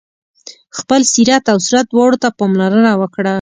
خپل سیرت او صورت دواړو ته پاملرنه وکړه.